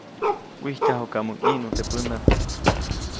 Wijtyajuʼkamuŋ ʼiʼnu teʼ pändaʼm.